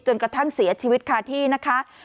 กระทั่งเสียชีวิตคาที่นะคะ